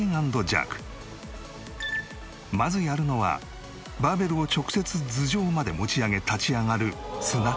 まずやるのはバーベルを直接頭上まで持ち上げ立ち上がるスナッチ。